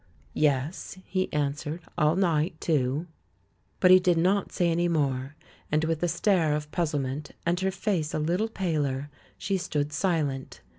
"Yes," he answered; "all night, too." But he did not say any more; and with a stare of puzzlement, and her face a little paler, she stood silent.